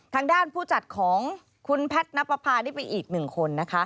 ทางด้านผู้จัดของคุณแพทย์นับประพานี่ไปอีกหนึ่งคนนะคะ